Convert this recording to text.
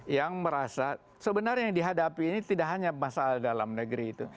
yang merasa sebenarnya yang dihadapi ini tidak hanya masalah dalam negeri itu